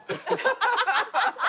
ハハハハ！